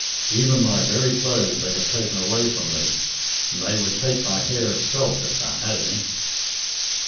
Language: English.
Even thy very clothes they have taken away from thee, and they would take thy hair itself if thou had any."